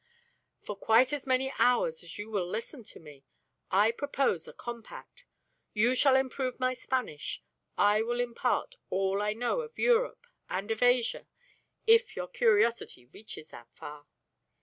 "For quite as many hours as you will listen to me. I propose a compact. You shall improve my Spanish. I will impart all I know of Europe and of Asia if your curiosity reaches that far."